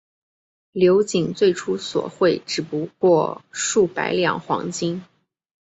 刘瑾最初索贿只不过数百两黄金。